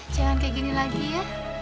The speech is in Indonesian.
jangan kayak gini lagi ya